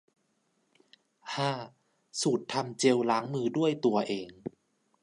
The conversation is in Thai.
ห้า สูตรทำเจลล้างมือด้วยตัวเอง